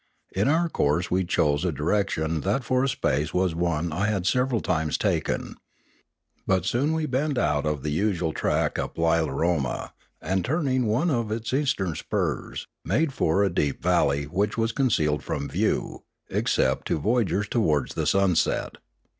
In our course we chose a direc tion that for a space was one I had several times taken. But soon we bent out of the usual track up Lilaroma, and turning one of its western spurs, made for a deep valley which was concealed from view, except to voy agers towards the sunset.